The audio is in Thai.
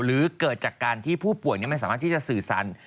หรือเกิดจากการที่ผู้ป่วยไม่สามารถที่จะสื่อสาร